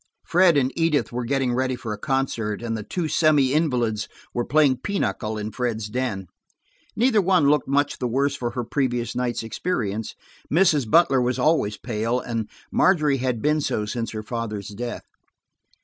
Fred and Edith were getting ready for a concert, and the two semi invalids were playing pinochle in Fred's den. Neither one looked much the worse for her previous night's experience; Mrs. Butler was always pale, and Margery had been so since her father's death.